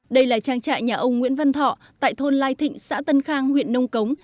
đây là trang trại nhà ông nguyễn văn thọ tại thôn lai thịnh xã tân khang huyện nông cống